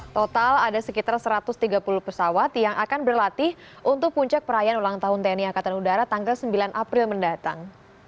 total ada sekitar satu ratus tiga puluh pesawat yang akan berlatih untuk puncak perayaan ulang tahun tni angkatan udara tanggal sembilan april mendatang